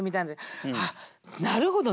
あっなるほど。